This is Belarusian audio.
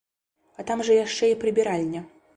А там жа яшчэ і прыбіральня.